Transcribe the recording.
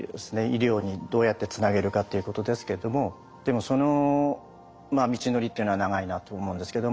医療にどうやってつなげるかっていうことですけどもでもその道のりっていうのは長いなと思うんですけど。